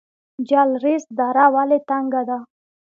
جلریز دره ولې تنګه ده؟